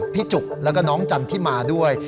พี่จุกแล้วก็น้องจันทร์ที่มาด้วย